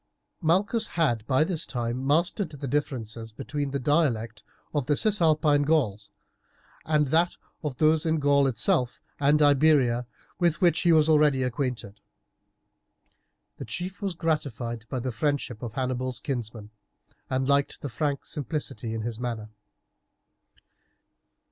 Malchus had by this time mastered the differences between the dialect of the Cisalpine Gauls and that of those in Gaul itself and Iberia, with which he was already acquainted. The chief was gratified by the friendship of Hannibal's kinsman, and liked the frank simplicity of his manner.